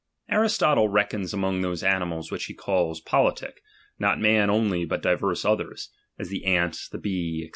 Aristotle reckons among those animals which he calls politic, not man only, but divers others, as the ant, the bee, &c.